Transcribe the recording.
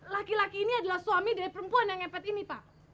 laki laki ini adalah suami dari perempuan yang ngepet ini pak